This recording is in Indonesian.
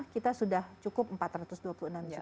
kita sudah cukup empat ratus dua puluh enam juta